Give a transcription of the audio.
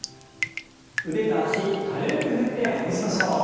腕と脚軽く振ってほぐしましょう。